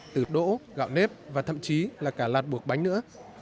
từ đỗ gạo nếp và thậm chí là cả lạt buộc bánh nữa